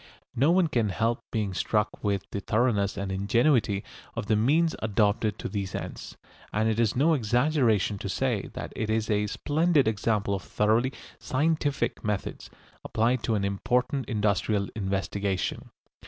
No one can help being struck with the thoroughness and ingenuity of the means adopted to these ends, and it is no exaggeration to say that it is a splendid example of thoroughly scientific methods applied to an important industrial investigation.